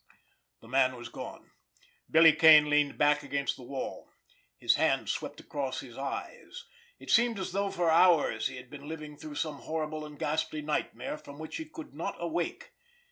The man was gone. Billy Kane leaned back against the wall. His hand swept across his eyes. It seemed as though for hours he had been living through some horrible and ghastly nightmare from which he could not awake.